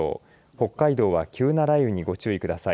北海道は急な雷雨にご注意ください。